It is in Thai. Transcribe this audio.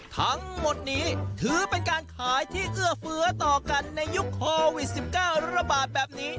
ทั้งหมดนี้ถือเป็นการขายที่เอื้อเฟื้อต่อกันในยุคโควิด๑๙ระบาดแบบนี้